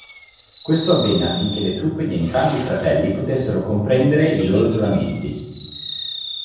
Questo avvenne affinché le truppe di entrambi i fratelli potessero comprendere i loro giuramenti.